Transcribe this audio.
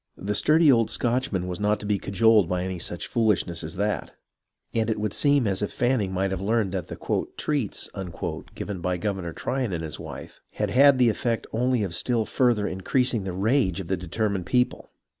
The sturdy old Scotchman was not to be cajoled by any such foolishness as that, and it would seem as if Fanning might have learned that the " treats " given by Governor Tryon and his wife had had the effect only of still further increasing the rage of the determined people.